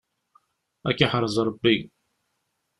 Ad k-iḥrez Rebbi!